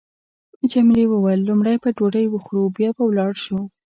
جميلې وويل: لومړی به ډوډۍ وخورو بیا به ولاړ شو.